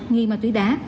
nghi ma túy đá